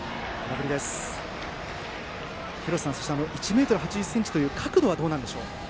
廣瀬さん、そして１ｍ８０ｃｍという角度はどうでしょう。